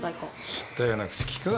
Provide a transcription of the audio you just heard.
知ったような口利くな。